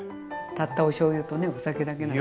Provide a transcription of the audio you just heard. たったおしょうゆとねお酒だけなのにね。